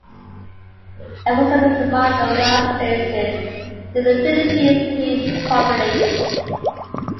Irosin was among the last places in the Philippines to be populated.